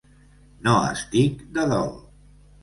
No estic de dol.